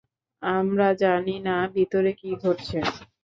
আমরা জানি না ভিতরে কী ঘটছে।